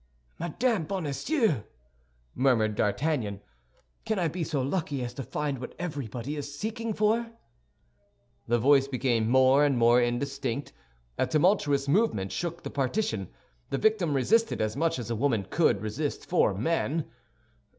"Madame Bonacieux!" murmured D'Artagnan. "Can I be so lucky as to find what everybody is seeking for?" The voice became more and more indistinct; a tumultuous movement shook the partition. The victim resisted as much as a woman could resist four men.